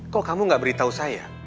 kok kamu gak beritahu saya